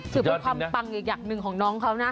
ถือเป็นความปังอีกอย่างหนึ่งของน้องเขานะ